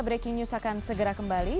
breaking news akan segera kembali